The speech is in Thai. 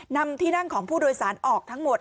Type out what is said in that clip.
นำที่นั่งของผู้โดยสารออกทั้งหมด